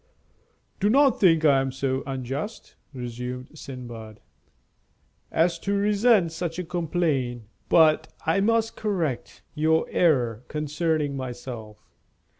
"Do not think I am so unjust," resumed Sindbad, "as to resent such a complaint. But I must correct your error concerning myself.